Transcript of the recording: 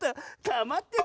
かまってよ